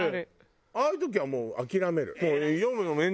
ああいう時はもう諦める。